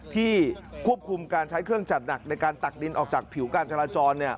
ที่ควบคุมการใช้เครื่องจัดหนักในการตักดินออกจากผิวการจราจร